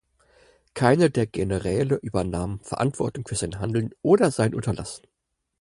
Keiner der Generäle übernahm Verantwortung für sein Handeln oder sein Unterlassen.